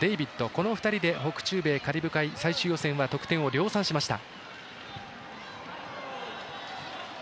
この２人で北中米カリブ海最終予選は得点を量産しました。